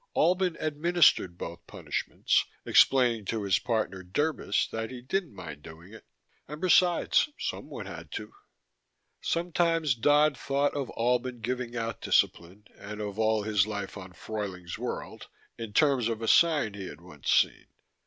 Albin administered both punishments, explaining to his partner Derbis that he didn't mind doing it and, besides, someone had to. Sometimes Dodd thought of Albin giving out discipline, and of all of his life on Fruyling's World, in terms of a sign he had once seen.